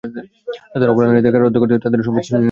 তাদের অবলা নারীদের কারারুদ্ধ করত আর তাদের ধনসম্পদ ছিনিয়ে নিত।